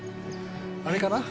あれかな？